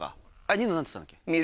ニノ何つったっけ？